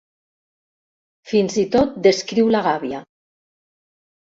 Fins i tot descriu la gàbia.